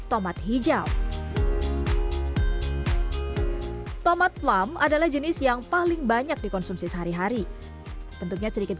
tomat hijau tomat flum adalah jenis yang paling banyak dikonsumsi sehari hari bentuknya sedikit